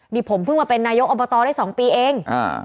นี่ผมเพิ่งมาเป็นนายกอบตได้๒ปีเอง